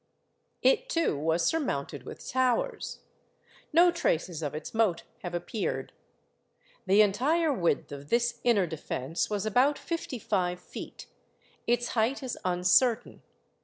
It too was surmounted with towers. No traces of its moat have appeared. The entire width of this inner defence was about fifty five feet ; its height is uncertain.